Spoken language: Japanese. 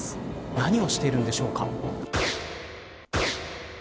何をしているんでしょうか。